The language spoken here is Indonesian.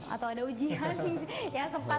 atau ada ujian yang sempat